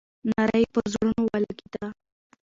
ناره یې پر زړونو ولګېده.